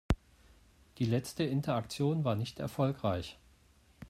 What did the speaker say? Die letzte Interaktion war nicht erfolgreich.